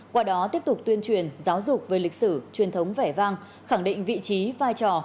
qua đó tiếp tục tuyên truyền giáo dục về lịch sử truyền thống vẻ vang khẳng định vị trí vai trò